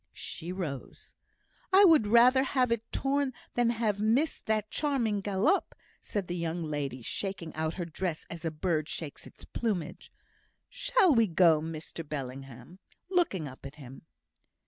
She rose. "I would rather have had it torn than have missed that charming galop," said the young lady, shaking out her dress as a bird shakes its plumage. "Shall we go, Mr Bellingham?" looking up at him.